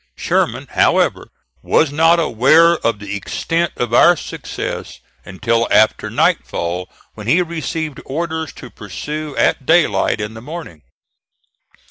Sherman, however, was not aware of the extent of our success until after nightfall, when he received orders to pursue at daylight in the morning.